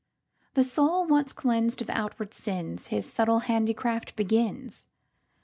The soul once cleans'd of outward sins, His subtle handicraft begins.